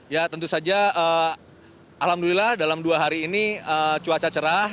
ya tentu saja alhamdulillah dalam dua hari ini cuaca cerah